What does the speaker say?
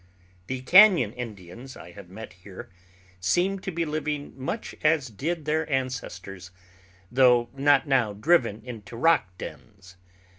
The cañon Indians I have met here seem to be living much as did their ancestors, though not now driven into rock dens.